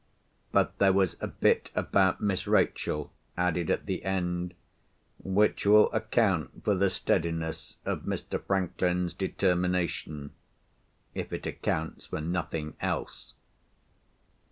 But there was a bit about Miss Rachel added at the end, which will account for the steadiness of Mr. Franklin's determination, if it accounts for nothing else.